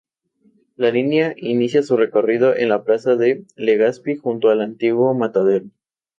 La línea inicia su recorrido en la Plaza de Legazpi, junto al antiguo Matadero.